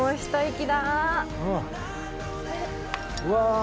うわ。